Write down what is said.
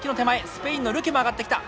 スペインのルケも上がってきた。